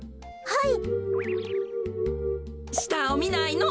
はい。